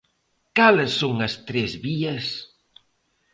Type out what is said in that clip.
¿Cales son as tres vías?